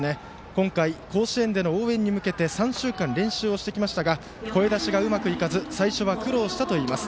今回、甲子園での応援に向けて３週間練習をしてきましたが声出しがうまくいかず最初は苦労したといいます。